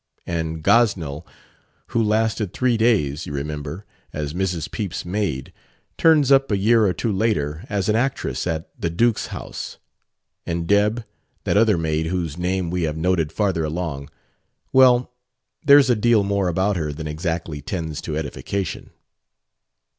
And 'Gosnell,' who lasted three days, you remember, as Mrs. Pepys' maid, turns up a year or two later as an actress at 'the Duke's house.' and 'Deb,' that other maid whose name we have noted farther along well, there's a deal more about her than exactly tends to edification...."